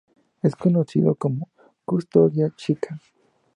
Es conocido como "Custodia Chica".